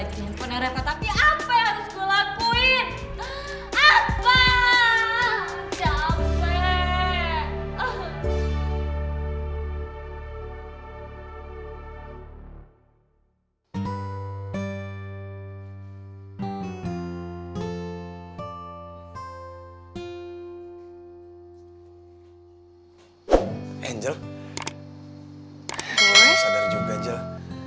sadar juga angel